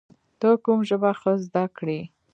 ته کوم ژبه ښه زده کړې؟